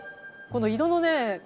この色のね